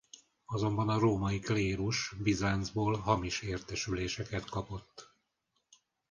Azonban a római klérus Bizáncból hamis értesüléseket kapott.